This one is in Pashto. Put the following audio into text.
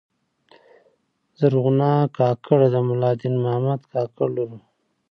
زرغونه کاکړه د ملا دین محمد کاکړ لور وه.